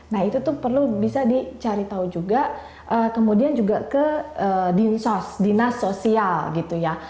nah itu tuh perlu bisa dicari tahu juga kemudian juga ke dinsos dinas sosial gitu ya